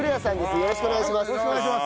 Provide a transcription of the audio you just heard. よろしくお願いします。